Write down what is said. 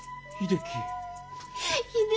秀樹。